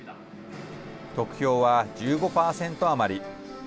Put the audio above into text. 得票は１５％余り。